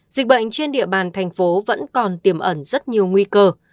dịch bệnh trên địa bàn tp hcm vẫn còn tiềm ẩn rất nhiều nguyên liệu